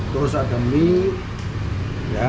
terus ada mie